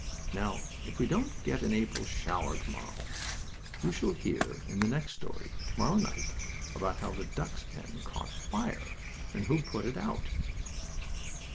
Now, if we don't get an April shower to morrow, you shall hear, in the next story, to morrow night, about how the duck's pen caught fire, and who put it out.